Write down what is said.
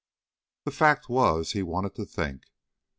THE fact was, he wanted to think.